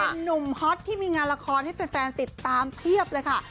เป็นนุ่มฮอตที่มีงานละครให้แฟนติดตามเพียบเลยค่ะ